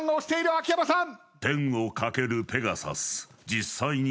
秋山さん！